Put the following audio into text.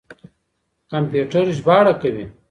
کمپيوټر ژباړه کوي.